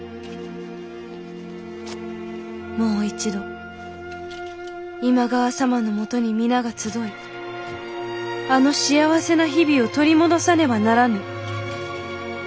「もう一度今川様のもとに皆が集いあの幸せな日々を取り戻さねばならぬ」。